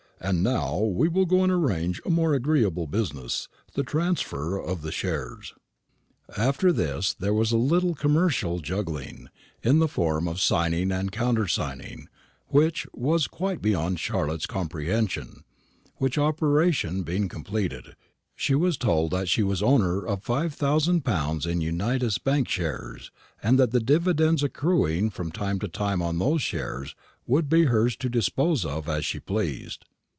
"And now we will go and arrange a more agreeable business the transfer of the shares." After this, there was a little commercial juggling, in the form of signing and countersigning, which, was quite beyond Charlotte's comprehension: which operation being completed, she was told that she was owner of five thousand pounds in Unitas Bank shares, and that the dividends accruing from time to time on those shares would be hers to dispose of as she pleased.